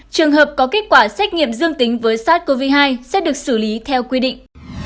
trường hợp có kết quả xét nghiệm dương tính với sars cov hai sẽ được xử lý theo quy định